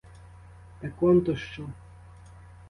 Так он то що!